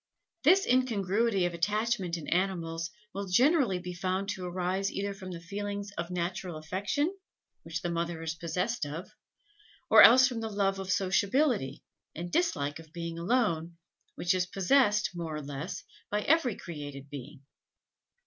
This incongruity of attachment in animals will generally be found to arise either from the feelings of natural affection which the mother is possessed of, or else from that love of sociability, and dislike of being alone, which is possessed, more or less, by every created being.